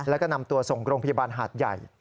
แล้วก็นำตัวส่งโรงพยาบาลหาดใหญ่